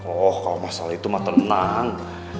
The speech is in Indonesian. oh kalau masalah itu mah tenang